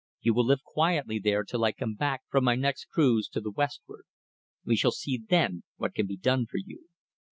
You will live quietly there till I come back from my next cruise to the westward. We shall see then what can be done for you.